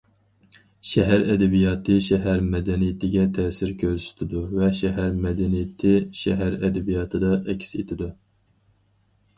شەھەر ئەدەبىياتى شەھەر مەدەنىيىتىگە تەسىر كۆرسىتىدۇ ۋە شەھەر مەدەنىيىتى شەھەر ئەدەبىياتىدا ئەكس ئېتىدۇ.